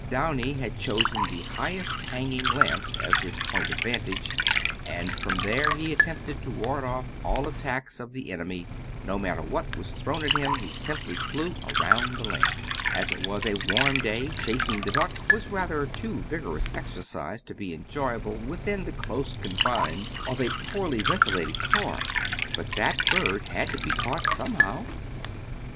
Downy had chosen the highest hanging lamps as his point of vantage, and from there he attempted to ward off all attacks of the enemy. No matter what was thrown at him he simply flew around the lamp. As it was a warm day, chasing the duck was rather too vigorous exercise to be enjoyable within the close confines of a poorly ventilated car, but that bird had to be caught somehow.